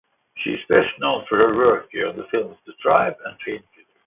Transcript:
She is best known for her work on the films "The Tribe" and Painkillers.